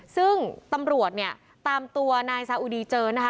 ซึ่งตำรวจเนี่ยตามตัวนายซาอุดีเจอนะคะ